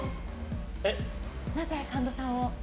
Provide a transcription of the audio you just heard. なぜ神田さんを。